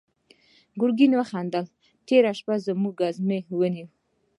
ګرګين وخندل: تېره شپه زموږ ګزمې ونيو.